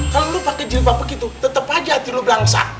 kalo lo pakai jilbab begitu tetep aja hati lo bangsa